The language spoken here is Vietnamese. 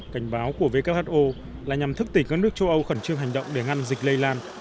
cảnh báo của who là nhằm thức tỉnh các nước châu âu khẩn trương hành động để ngăn dịch lây lan